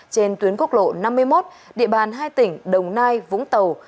trên tuyến quốc lộ năm mươi một địa bàn hai tỉnh đồng nai vũng tàu